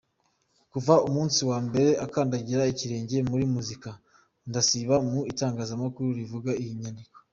Kuva umunsi wa mbere akandagiza ikirenge muri muzika, ntasiba mu itangazamakuru rivuga n’iryandika.